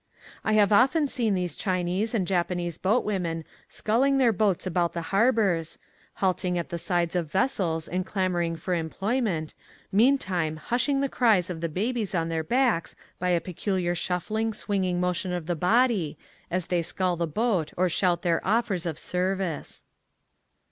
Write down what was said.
I have often seen these Chinese and Japan ese boat women sculling their boats alaout the harbors, halting at the sides of ves sels and clamoring for employment, meantime hushing the cries of the babies on their backs by a peculiar shuffling, swinging motion of the body as they scull the boat or shout their offers of service.